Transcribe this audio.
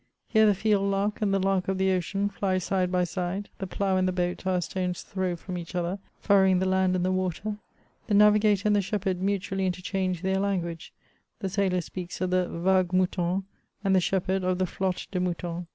Here the field lark and the lark of the ocean fly side by side, the plough and the boat are a stone's throw from each other, furrowing the land and the water. The navigator and the shepherd mutually interchange their language, the sailor speaks of the '^ vagues moutonnent," and the shepherd of the " flottes de moutons."